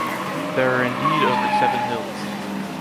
There are indeed over seven hills.